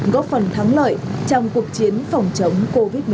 góp phần thắng lợi trong cuộc chiến phòng chống covid một mươi chín